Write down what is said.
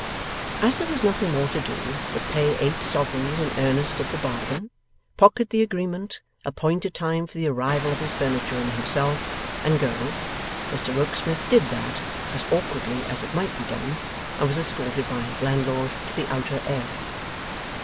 As there was nothing more to do but pay eight sovereigns in earnest of the bargain, pocket the agreement, appoint a time for the arrival of his furniture and himself, and go, Mr Rokesmith did that as awkwardly as it might be done, and was escorted by his landlord to the outer air.